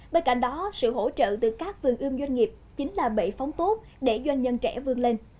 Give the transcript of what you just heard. bên cạnh đó sự hỗ trợ từ các vườn ươm doanh nghiệp chính là bệ phóng tốt để doanh nhân trẻ vươn lên